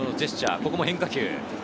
ここも変化球。